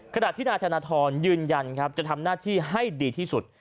ขณะที่นายธนทรยืนยันครับจะทำหน้าที่ให้ดีที่สุด